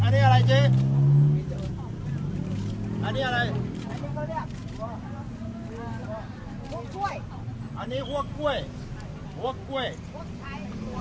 อันนี้อะไรเจ๊อันนี้อะไรอันนี้ก็เรียกหัวเก้ยอันนี้หัวเก้ย